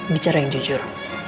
bicara yang jujur